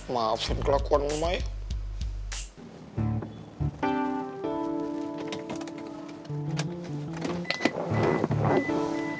maafin kelakuan lo maya